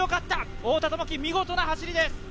太田智樹、見事な走りです！